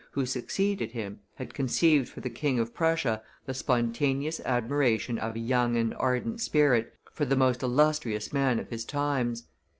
who succeeded him, had conceived for the King of Prussia the spontaneous admiration of a young and ardent spirit for the most illustrious man of his times.